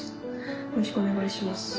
よろしくお願いします。